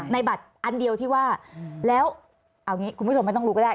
บัตรอันเดียวที่ว่าแล้วเอางี้คุณผู้ชมไม่ต้องรู้ก็ได้